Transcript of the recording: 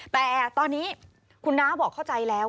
แต่ตอนนี้คุณน้าบอกเข้าใจแล้ว